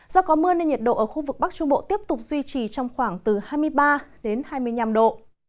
do có mưa nên nhiệt độ ở khu vực bắc trung bộ tiếp tục duy trì trong khoảng từ hai mươi ba hai mươi năm độ